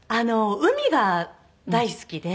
海が大好きで。